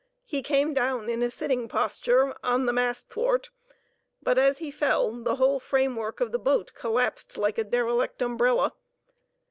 He came down in a sitting posture on the mast thwart; but as he fell, the whole framework of the boat collapsed like a derelict umbrella.